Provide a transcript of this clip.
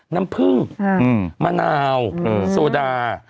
น้ำผึ้งมะนาวโซดา